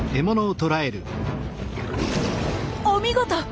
お見事！